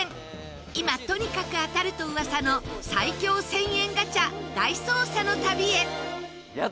今とにかく当たると噂の最強１０００円ガチャ大捜査の旅へ。